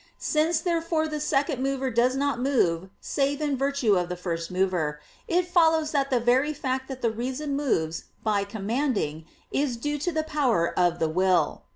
Since therefore the second mover does not move, save in virtue of the first mover, it follows that the very fact that the reason moves by commanding, is due to the power of the will.